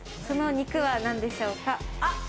その肉は何でしょうか？